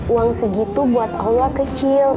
uang segitu buat allah kecil